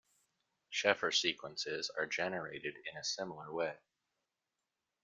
Sheffer sequences are generated in a similar way.